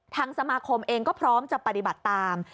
ทางสมาคมเองก็พร้อมจะปฏิบัติตาม